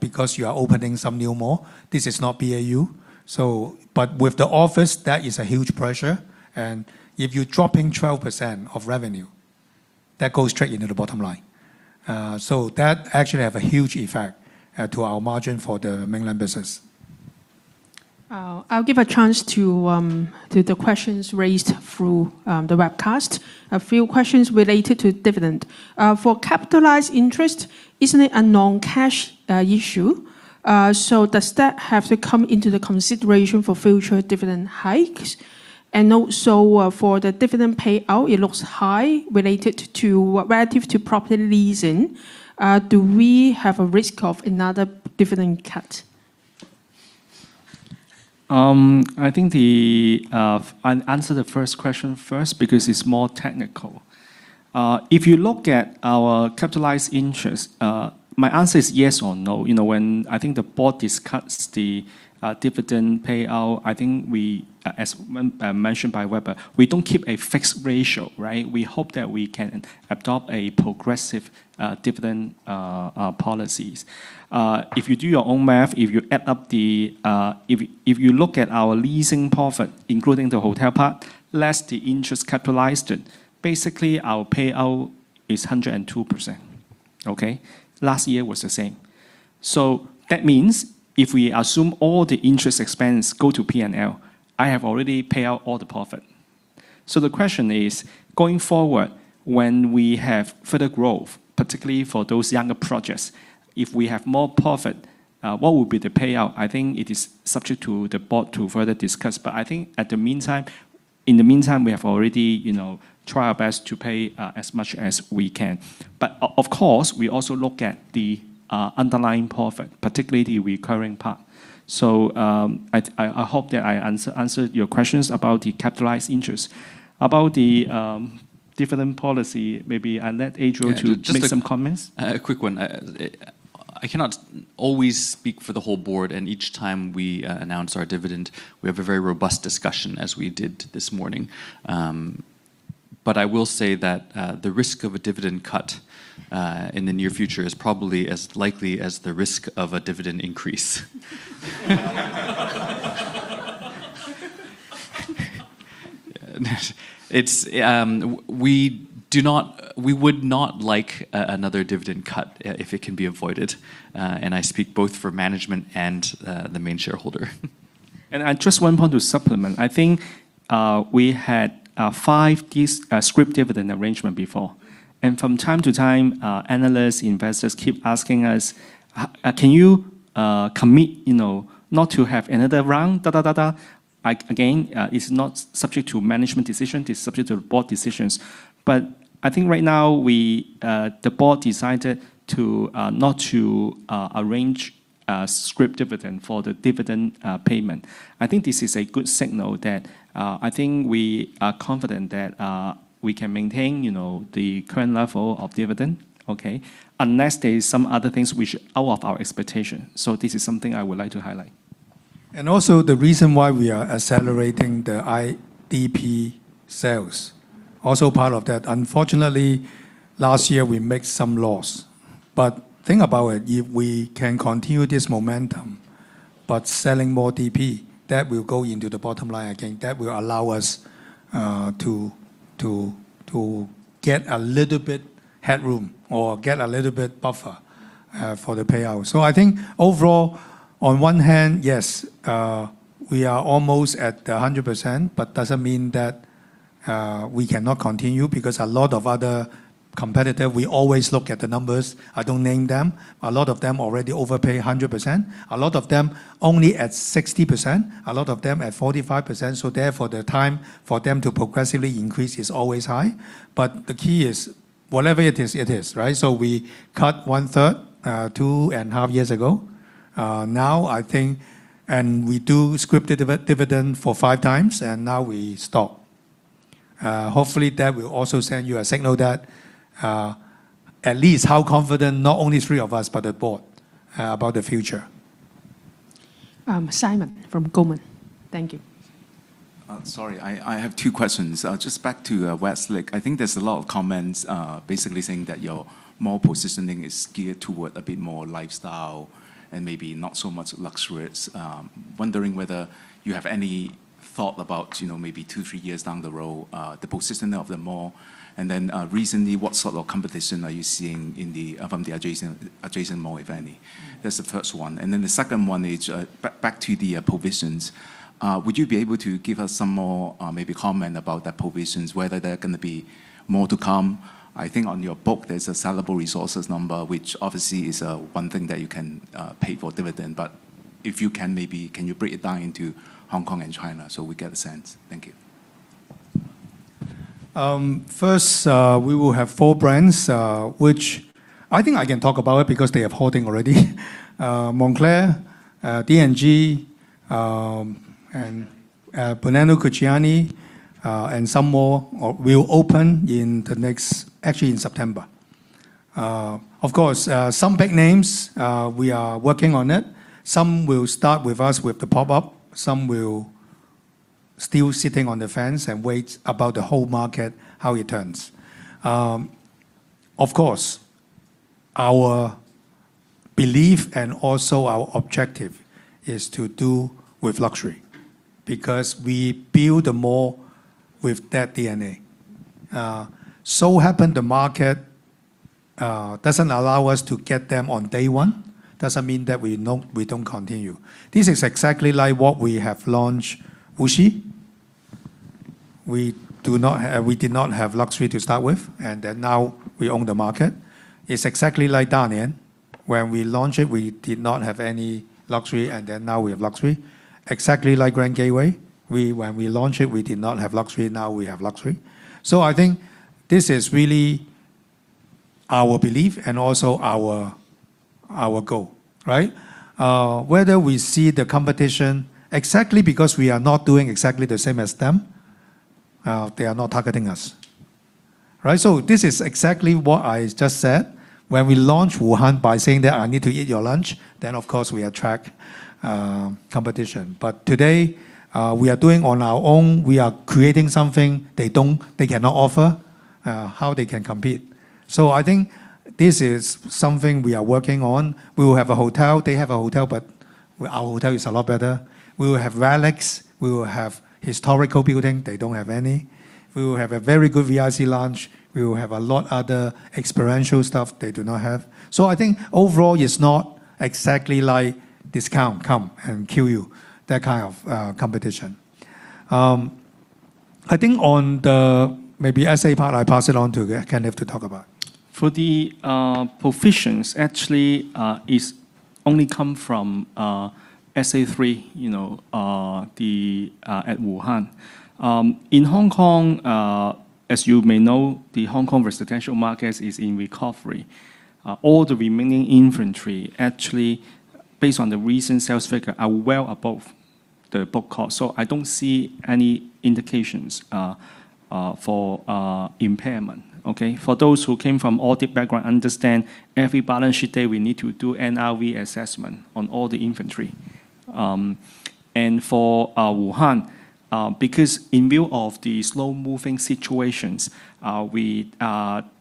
because you are opening some new mall. This is not BAU. With the office, that is a huge pressure. If you're dropping 12% of revenue, that goes straight into the bottom line. That actually has a huge effect to our margin for the mainland business. I'll give a chance to the questions raised through the webcast. A few questions related to dividend. For capitalized interest, isn't it a non-cash issue? Does that have to come into the consideration for future dividend hikes? For the dividend payout, it looks high relative to property leasing. Do we have a risk of another dividend cut? I think I'll answer the first question first because it's more technical. If you look at our capitalized interest, my answer is yes or no. When I think the board discusses the dividend payout, I think as mentioned by Weber, we don't keep a fixed ratio, right? We hope that we can adopt progressive dividend policies. If you do your own math, if you look at our leasing profit, including the hotel part, less the interest capitalized, basically our payout is 102%. Okay. Last year was the same. That means if we assume all the interest expense go to P&L, I have already paid out all the profit. The question is, going forward, when we have further growth, particularly for those younger projects, if we have more profit, what will be the payout? I think it is subject to the board to further discuss. I think in the meantime, we have already tried our best to pay as much as we can. Of course, we also look at the underlying profit, particularly the recurring part. I hope that I answered your questions about the capitalized interest. About the dividend policy, maybe I'll let Adriel to make some comments. A quick one. I cannot always speak for the whole board. Each time we announce our dividend, we have a very robust discussion as we did this morning. I will say that the risk of a dividend cut in the near future is probably as likely as the risk of a dividend increase. We would not like another dividend cut if it can be avoided. I speak both for management and the main shareholder. Just one point to supplement. I think we had five scrip dividend arrangement before, and from time to time, analysts, investors keep asking us, Can you commit not to have another round? Again, it's not subject to management decision. It's subject to the Board's decisions. I think right now, the Board decided not to arrange a scrip dividend for the dividend payment. I think this is a good signal that I think we are confident that we can maintain the current level of dividend, okay, unless there's some other things out of our expectation. This is something I would like to highlight. And Also the reason why we are accelerating the IDP sales, also part of that. Unfortunately, last year we made some loss. Think about it, if we can continue this momentum but selling more DP, that will go into the bottom line again. That will allow us to get a little bit headroom or get a little bit buffer for the payout. I think overall, on one hand, yes, we are almost at 100%, but doesn't mean that we cannot continue because a lot of other competitor, we always look at the numbers. I don't name them. A lot of them already overpay 100%. A lot of them only at 60%, a lot of them at 45%. Therefore, the time for them to progressively increase is always high. The key is whatever it is, it is, right? We cut 1/3 two and a half years ago. We do scrip dividend for five times, and now we stop. Hopefully, that will also send you a signal that at least how confident, not only three of us, but the Board about the future. Simon from Goldman. Thank you. Sorry, I have two questions. Just back to Westlake 66. I think there's a lot of comments basically saying that your mall positioning is geared toward a bit more lifestyle and maybe not so much luxurious. Wondering whether you have any thought about maybe two, three years down the road, the positioning of the mall. Recently, what sort of competition are you seeing from the adjacent mall, if any? That's the first one. The second one is back to the provisions. Would you be able to give us some more maybe comment about the provisions, whether there are going to be more to come? I think on your book there's a sellable resources number, which obviously is one thing that you can pay for dividend. If you can, maybe can you break it down into Hong Kong and China so we get a sense? Thank you. First we will have four brands which I think I can talk about because they are holding already. Moncler, D&G and Brunello Cucinelli and some more will open actually in September. Of course, some big names we are working on it. Some will start with us with the pop-up. Some will still sitting on the fence and wait about the whole market, how it turns. Of course, our belief and also our objective is to do with luxury because we build the mall with that DNA. Happened the market doesn't allow us to get them on day one, doesn't mean that we don't continue. This is exactly like what we have launched, Wuxi. We did not have luxury to start with and now we own the market. It's exactly like Dalian. When we launched it, we did not have any luxury and now we have luxury. Exactly like Grand Gateway. When we launched it, we did not have luxury. Now we have luxury. I think this is really our belief and also our goal, right? Whether we see the competition exactly because we are not doing exactly the same as them, they are not targeting us. Right? This is exactly what I just said when we launched Wuhan by saying that I need to eat your lunch, then of course we attract competition. Today we are doing on our own. We are creating something they cannot offer. How they can compete? I think this is something we are working on. We will have a hotel. They have a hotel but Our hotel is a lot better. We will have relics. We will have historical building. They don't have any. We will have a very good VIC Lounge. We will have a lot other experiential stuff they do not have. Overall it's not exactly like discount come and kill you, that kind of competition. On the SA part, I pass it on to Kenneth to talk about. For the provisions, actually, it only comes from SA3 at Wuhan. In Hong Kong, as you may know, the Hong Kong residential market is in recovery. All the remaining inventory, actually based on the recent sales figure, are well above the book cost. I don't see any indications for impairment. Okay. For those who came from audit background, understand every balance sheet day, we need to do NRV assessment on all the inventory. For Wuhan, because in view of the slow-moving situations, we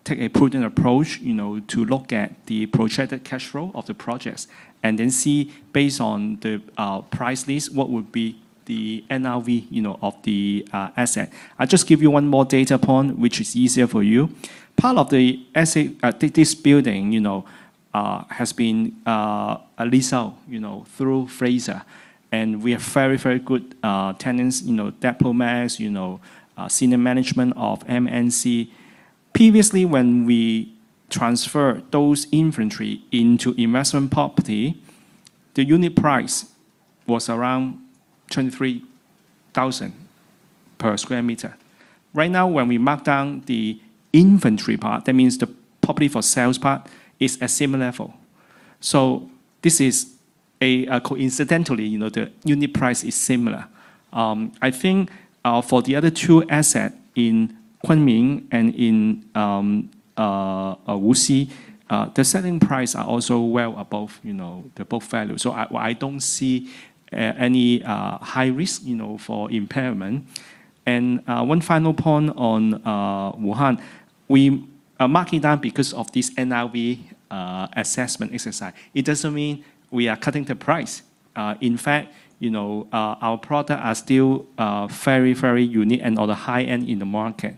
take a prudent approach to look at the projected cash flow of the projects and then see, based on the price list, what would be the NRV of the asset. I'll just give you one more data point, which is easier for you. Part of the SA3. This building has been lease out through Fraser, and we have very, very good tenants, diplomats, senior management of MNC. Previously, when we transferred those inventory into investment property, the unit price was around 23,000 per sq m. Right now, when we mark down the inventory part, that means the property for sales part is at similar level. This is coincidentally, the unit price is similar. For the other two asset in Kunming and in Wuxi, the selling price are also well above the book value. I don't see any high risk for impairment. One final point on Wuhan, we are marking down because of this NRV assessment exercise. It doesn't mean we are cutting the price. In fact, our products are still very, very unique and on the high end in the market.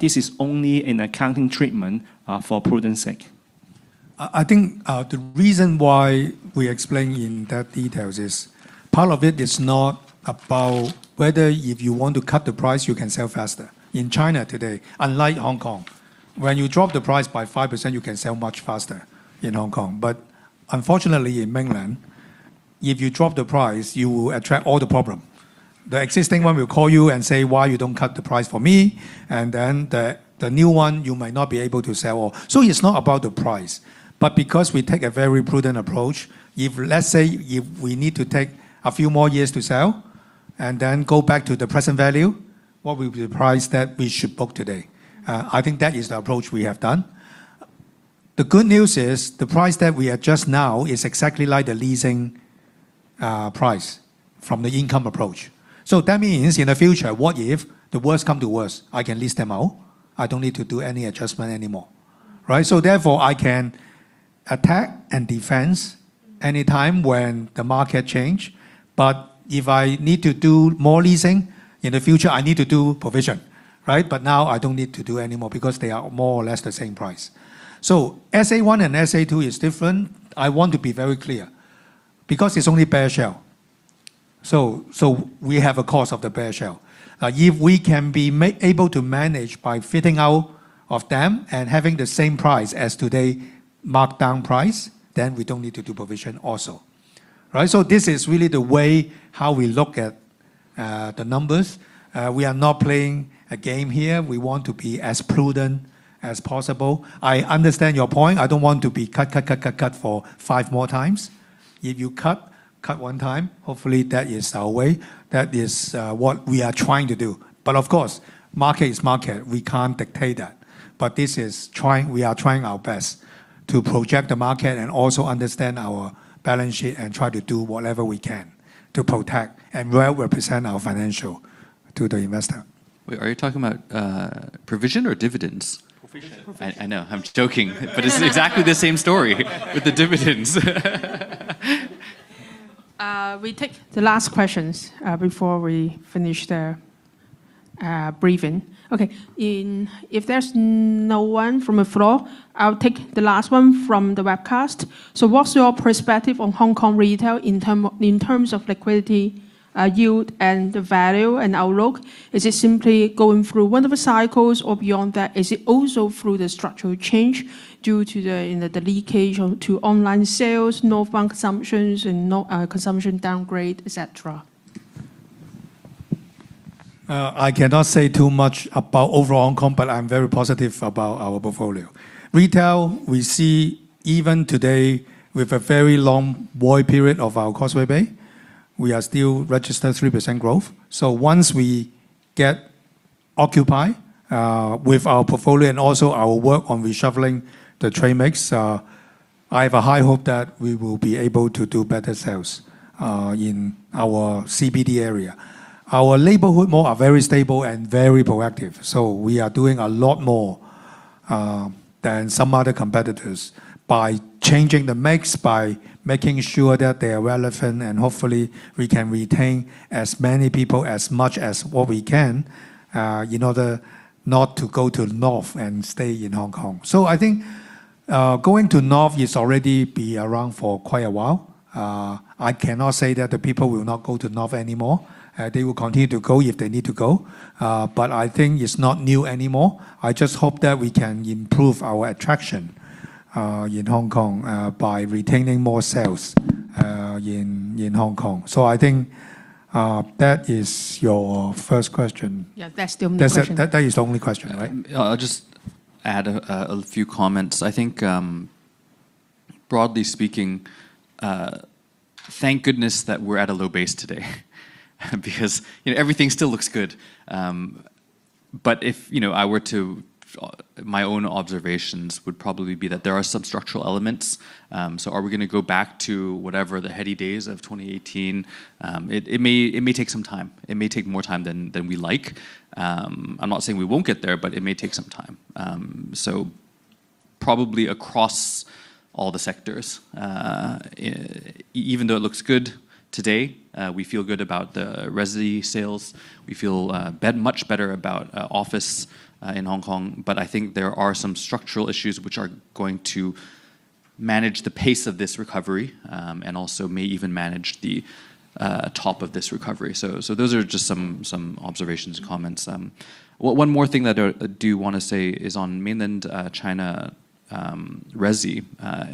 This is only an accounting treatment for prudent sake. The reason why we explain in that detail is part of it is not about whether if you want to cut the price, you can sell faster. In China today, unlike Hong Kong, when you drop the price by 5%, you can sell much faster in Hong Kong. Unfortunately, in mainland, if you drop the price, you will attract all the problems. The existing one will call you and say, why you don't cut the price for me? The new one, you might not be able to sell all. It's not about the price. Because we take a very prudent approach, if let's say, if we need to take a few more years to sell and then go back to the present value, what will be the price that we should book today? That is the approach we have done. The good news is the price that we adjust now is exactly like the leasing price from the income approach. That means in the future, what if the worst comes to worst? I can lease them out. I don't need to do any adjustment anymore, right? Therefore, I can attack and defend any time when the market changes. If I need to do more leasing in the future, I need to do provision, right? Now I don't need to do anymore because they are more or less the same price. SA1 and SA2 are different. I want to be very clear because it's only bare shell. We have a cost of the bare shell. If we can be able to manage by fitting out of them and having the same price as today marked down price, then we don't need to do provision also. Right? This is really the way how we look at the numbers. We are not playing a game here. We want to be as prudent as possible. I understand your point. I don't want to be cut for five more times. If you cut one time, hopefully that is our way. That is what we are trying to do. Of course, market is market. We can't dictate that. We are trying our best to project the market and also understand our balance sheet and try to do whatever we can to protect and well represent our financial to the investor. Wait, are you talking about provision or dividends? Provision. I know. I'm joking, it's exactly the same story with the dividends. We take the last questions before we finish the briefing. Okay. If there's no one from the floor, I'll take the last one from the webcast. What's your perspective on Hong Kong retail in terms of liquidity, yield, and the value and outlook? Is it simply going through one of the cycles or beyond that? Is it also through the structural change due to the leakage to online sales, no fun consumptions, and consumption downgrade, et cetera? I cannot say too much about overall Hong Kong, I'm very positive about our portfolio. Retail, we see even today with a very long void period of our Causeway Bay, we are still registered 3% growth. Once we get occupied with our portfolio and also our work on reshuffling the trade mix, I have a high hope that we will be able to do better sales in our CBD area. Our neighborhood mall are very stable and very proactive. We are doing a lot more than some other competitors by changing the mix, by making sure that they are relevant, and hopefully we can retain as many people as much as what we can in order not to go to north and stay in Hong Kong. I think going to north has already been around for quite a while. I cannot say that the people will not go to north anymore. They will continue to go if they need to go, I think it's not new anymore. I just hope that we can improve our attraction in Hong Kong by retaining more sales in Hong Kong. I think that is your first question. Yeah, that's the only question. That is the only question, right? Yeah. I'll just add a few comments. I think, broadly speaking, thank goodness that we're at a low base today because everything still looks good. My own observations would probably be that there are some structural elements. Are we going to go back to whatever the heady days of 2018? It may take some time. It may take more time than we like. I'm not saying we won't get there, but it may take some time. Probably across all the sectors. Even though it looks good today, we feel good about the resi sales. We feel much better about office in Hong Kong. I think there are some structural issues which are going to manage the pace of this recovery, and also may even manage the top of this recovery. Those are just some observations and comments. One more thing that I do want to say is on mainland China resi,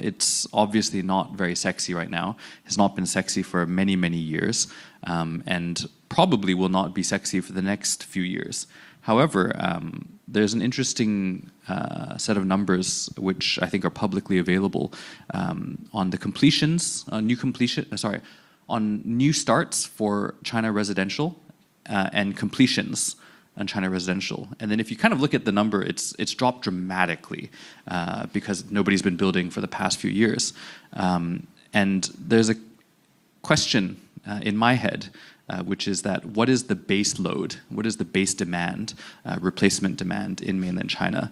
it's obviously not very sexy right now. It's not been sexy for many, many years, and probably will not be sexy for the next few years. However, there's an interesting set of numbers which I think are publicly available on new starts for China residential, and completions on China residential. Then if you look at the number, it's dropped dramatically because nobody's been building for the past few years. There's a question in my head, which is that what is the base load? What is the base demand, replacement demand in mainland China?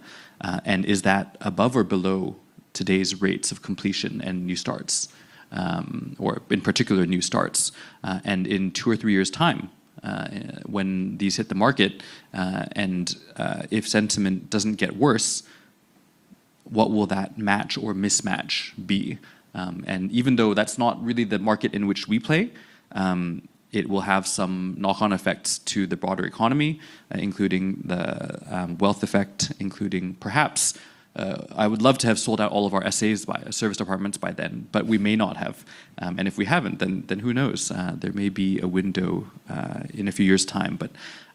Is that above or below today's rates of completion and new starts, or in particular, new starts? In two or three years' time, when these hit the market, if sentiment doesn't get worse, what will that match or mismatch be? Even though that's not really the market in which we play, it will have some knock-on effects to the broader economy, including the wealth effect, including perhaps, I would love to have sold out all of our service departments by then, but we may not have. If we haven't, then who knows? There may be a window in a few years' time.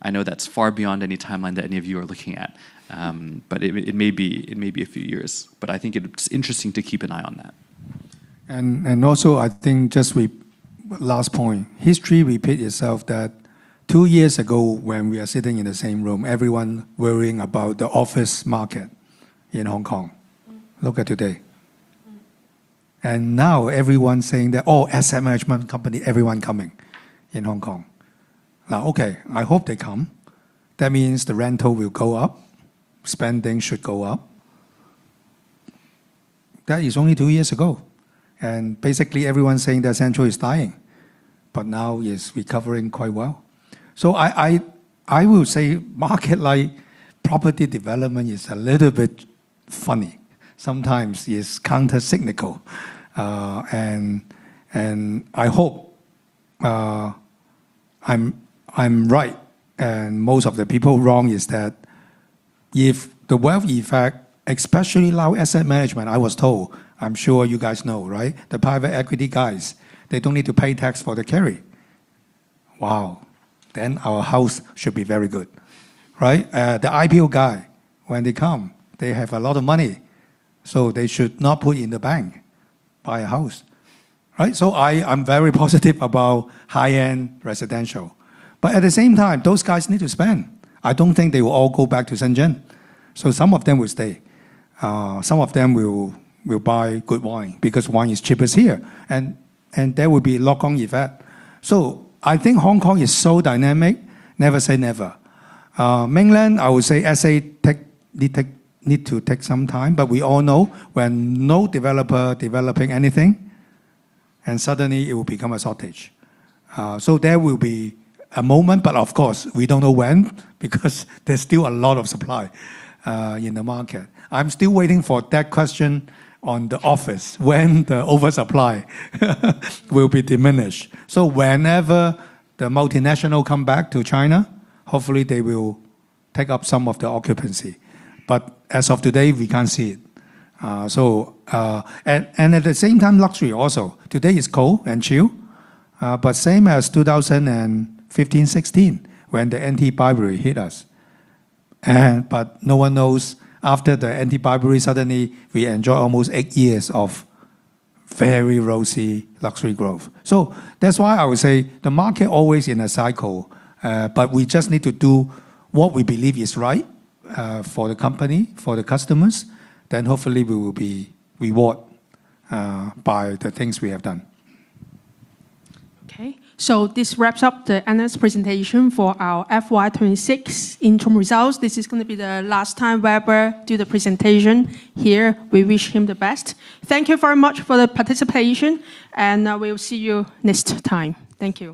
I know that's far beyond any timeline that any of you are looking at. It may be a few years. I think it's interesting to keep an eye on that. Also, I think, just last point. History repeat itself that two years ago, when we are sitting in the same room, everyone worrying about the office market in Hong Kong. Look at today. Now everyone's saying that, Oh, asset management company, everyone coming in Hong Kong. Ow, okay, I hope they come. That means the rental will go up. Spending should go up. That is only two years ago. Basically, everyone's saying that Central is dying. Now it's recovering quite well. I will say market, like property development, is a little bit funny. Sometimes it is countercyclical. I hope I'm right and most of the people wrong is that if the wealth effect, especially now asset management, I was told, I'm sure you guys know, right? The private equity guys, they don't need to pay tax for the carry. Wow. Our house should be very good, right? The IPO guy, when they come, they have a lot of money, they should not put in the bank. Buy a house, right? I'm very positive about high-end residential. At the same time, those guys need to spend. I don't think they will all go back to Shenzhen. Some of them will stay. Some of them will buy good wine because wine is cheapest here. There will be lock-on effect. I think Hong Kong is so dynamic. Never say never. Mainland, I would say asset need to take some time, but we all know when no developer developing anything, suddenly it will become a shortage. There will be a moment, but of course, we don't know when because there's still a lot of supply in the market. I'm still waiting for that question on the office, when the oversupply will be diminished. Whenever the multinational come back to China, hopefully they will take up some of the occupancy. As of today, we can't see it. At the same time, luxury also. Today is cold and chill, but same as 2015, 2016, when the anti-bribery hit us. No one knows after the anti-bribery, suddenly we enjoy almost eight years of very rosy luxury growth. That's why I would say the market always in a cycle, but we just need to do what we believe is right for the company, for the customers. Hopefully we will be rewarded by the things we have done. Okay. This wraps up the earnings presentation for our FY 2026 interim results. This is going to be the last time Weber do the presentation here. We wish him the best. Thank you very much for the participation, and we will see you next time. Thank you.